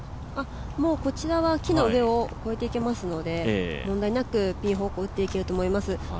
こちらは木の上を越えていけますので、問題なくピン方向打っていけると思います。